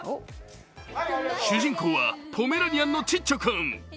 主人公はポメラニアンのちっちょ君。